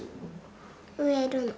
植えるの。